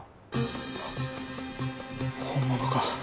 本物か。